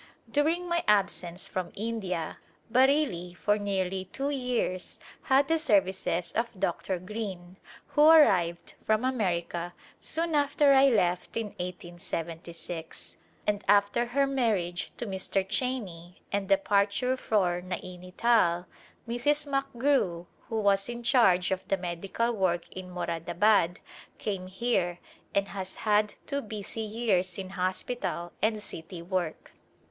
During my absence from India, Bareilly for nearly two years had the services of Dr. Green, who arrived from America soon after I left in 1876, and after her marriage to Mr. Cheney and departure for Naini Tal, Mrs. McGrew, who was in charge of the medical work in Moradabad, came here and has had two busy years in hospital and city work.